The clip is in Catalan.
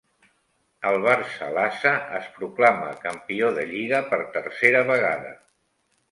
El Barça Lassa es proclama Campió de Lliga per tercera vegada.